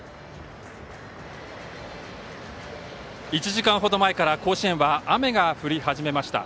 １時間ほど前から甲子園は雨が降り始めました。